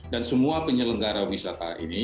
dan semua penyelenggara wisata ini